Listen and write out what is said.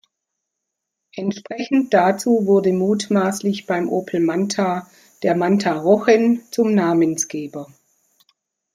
Entsprechend dazu wurde mutmaßlich beim Opel Manta der Mantarochen zum Namensgeber.